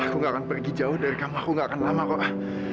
aku gak akan pergi jauh dari kamu aku gak akan lama pak